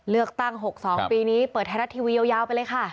เลือกตั้ง๖๒ปีนี้เปิดไทยรัฐทีวียาวไปเลยค่ะ